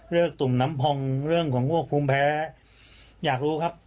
ตุ่มน้ำพองเรื่องของพวกภูมิแพ้อยากรู้ครับ